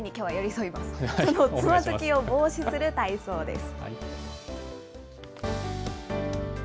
そのつまずきを防止する体操です。